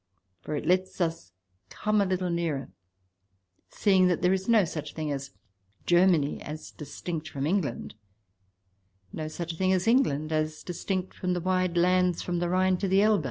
For it lets us come a little nearer, seeing that there is no such thing as Germany as distinct from Eng xii PREFACE land ; no such thing as England as distinct from the wide lands from the Rhine to the Elbe.